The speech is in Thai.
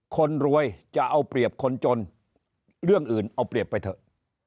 คนรวยจะเอาเปรียบคนจนเรื่องอื่นเอาเปรียบไปเถอะ